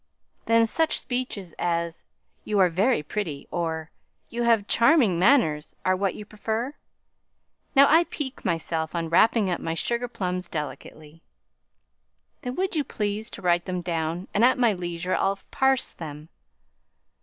"Then such speeches as 'you are very pretty,' or 'you have charming manners,' are what you prefer. Now, I pique myself on wrapping up my sugar plums delicately." "Then would you please to write them down, and at my leisure I'll parse them."